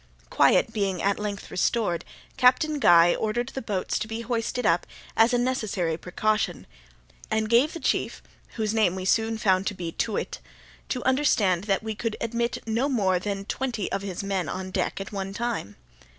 Quiet being at length restored, Captain Guy ordered the boats to be hoisted up, as a necessary precaution, and gave the chief (whose name we soon found to be Too wit) to understand that we could admit no more than twenty of his men on deck at one time.